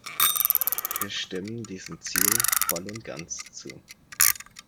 Wir stimmen diesem Ziel voll und ganz zu.